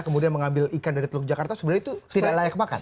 kemudian mengambil ikan dari teluk jakarta sebenarnya itu tidak layak makan